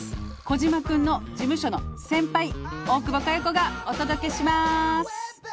「児嶋くんの事務所の先輩」「大久保佳代子がお届けします」